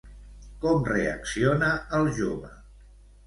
Com reacciona el jove?